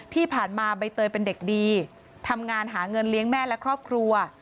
ที่ผ่านมาใบเตยเป็นเด็กดีทำงานหาเงินเลี้ยงแม่และครอบครัว